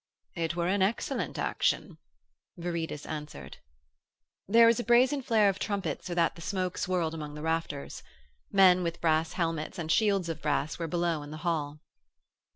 'It were an excellent action,' Viridus answered. There was a brazen flare of trumpets so that the smoke swirled among the rafters. Men with brass helmets and shields of brass were below in the hall.